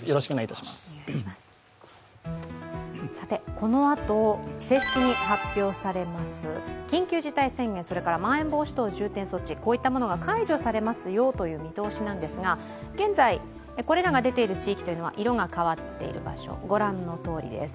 このあと正式に発表されます緊緊急事態宣言、それからまん延防止等重点措置が解除されますよという見通しなんですが、現在これらが出ている地域は色が変わっている場所です。